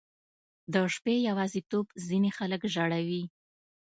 • د شپې یواځیتوب ځینې خلک ژړوي.